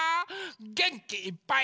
げんきいっぱい。